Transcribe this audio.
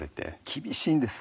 厳しいんです。